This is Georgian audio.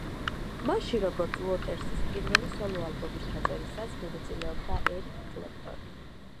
მასში, როგორც უოტერსის პირველი სოლო-ალბომის ჩაწერისას, მონაწილეობდა ერიკ კლეპტონი.